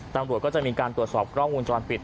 ตำรวจก็จะมีการตรวจสอบกล้องวงจรปิด